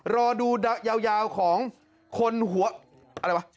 รอดูยาวของคนหัวอะไรวะ